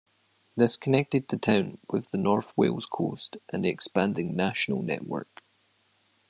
This connected the town with the North Wales coast and the expanding national network.